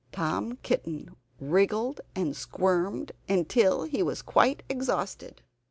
Tom Kitten wriggled and squirmed until he was quite exhausted.